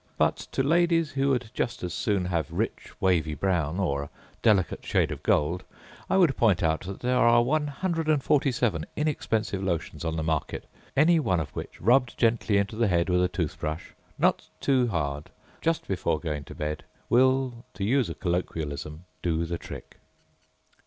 But to ladies who would just as soon have rich wavy brown or a delicate shade of gold, I would point out that there are one hundred and forty seven inexpensive lotions on the market, any one of which, rubbed gently into the head with a tooth brush (not too hard) just before going to bed will, to use a colloquialism, do the trick.